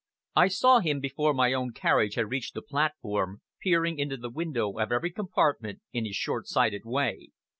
I saw him before my own carriage had reached the platform, peering into the window of every compartment in his short sighted way.